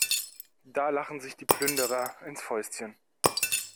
Da lachen sich die Plünderer ins Fäustchen.